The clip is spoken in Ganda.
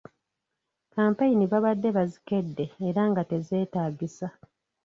Kkampeyini babadde bazikedde era nga tezeetaagisa.